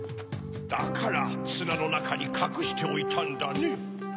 だからすなのなかにかくしておいたんだね。